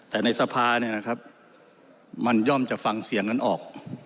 แต่ในสภาเนี่ยนะครับมันย่อมจะฟังเสียงนั้นออก